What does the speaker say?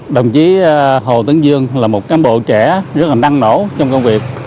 đồng chí hồ tấn dương là một cán bộ trẻ rất là năng nổ trong công việc